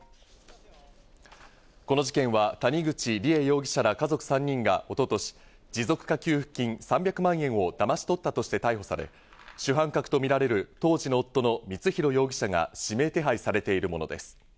この事件は谷口梨恵容疑者ら家族３人が一昨年、持続化給付金３００万円をだまし取ったとして逮捕され、主犯格とみられる当時の夫の光弘容疑者が指名手配されているものです。